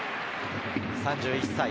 ３１歳。